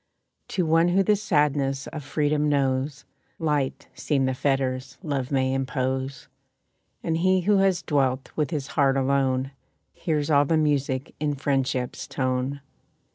To one who the sadness of freedom knows, Light seem the fetters love may impose. And he who has dwelt with his heart alone, Hears all the music in friendship's tone.